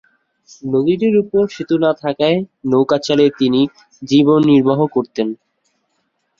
নদীটির উপর সেতু না থাকায় নৌকা চালিয়ে তিনি জীবন-নির্বাহ করতেন।